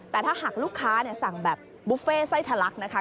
แต่ถ้าหากลูกค้าสั่งแบบบุฟเฟ่ไส้ทะลักนะคะ